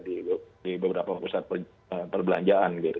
di beberapa pusat perbelanjaan gitu